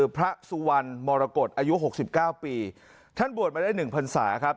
พระสุวรรณมรกฏอายุหกสิบเก้าปีท่านบวชมาได้หนึ่งพรรษาครับ